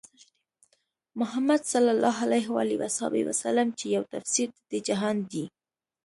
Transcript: محمدص چې يو تفسير د دې جهان دی